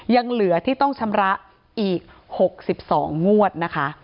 ยังเหลือที่ต้องชำระอีกหกสิบสองงวดนะคะ